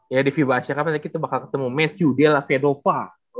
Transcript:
ya di fiba asia kami nanti kita bakal ketemu matthew della fedova